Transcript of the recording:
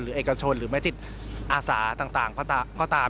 เอกชนหรือแม้จิตอาสาต่างก็ตาม